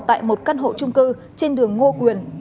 tại một căn hộ trung cư trên đường ngô quyền